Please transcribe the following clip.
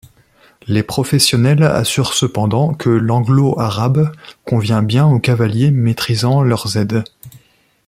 Les professionnels assurent cependant que l'Anglo-arabe convient bien aux cavaliers maîtrisant leurs aides.